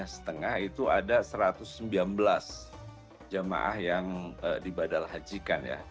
setengah itu ada satu ratus sembilan belas jamaah yang dibadal hajikan